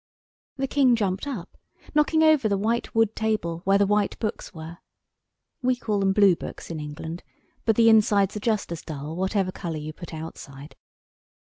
The King jumped up, knocking over the white wood table where the White Books were. (We call them Blue Books in England, but the insides are just as dull whatever colour you put outside.)